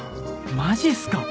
マジっすか。